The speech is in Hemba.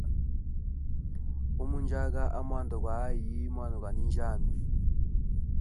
Gumu njaga amwanda gwa ayi mwana gwa ninjyami.